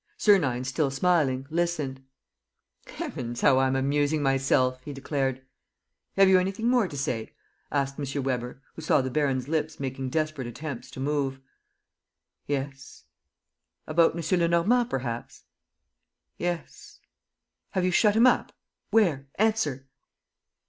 ..." Sernine, still smiling, listened: "Heavens, how I'm amusing myself!" he declared. "Have you anything more to say?" asked M. Weber, who saw the baron's lips making desperate attempts to move. "Yes." "About M. Lenormand, perhaps?" "Yes." "Have you shut him up? Where? Answer!